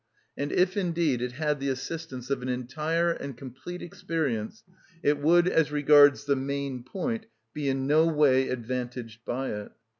And if indeed it had the assistance of an entire and complete experience, it would, as regards the main point, be in no way advantaged by it.